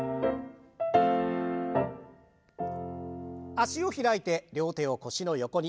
脚を開いて両手を腰の横に。